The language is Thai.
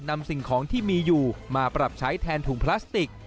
สิ่งของที่มีอยู่มาปรับใช้แทนถุงพลาสติก